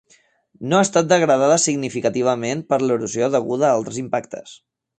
No ha estat degradada significativament per l'erosió deguda a altres impactes.